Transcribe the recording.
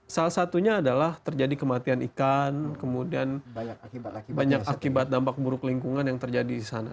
salah satunya adalah terjadi kematian ikan kemudian banyak akibat dampak buruk lingkungan yang terjadi di sana